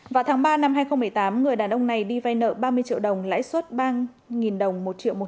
vào tháng ba năm hai nghìn một mươi tám người đàn ông này đi vay nợ ba mươi triệu đồng lãi suất ba đồng một triệu một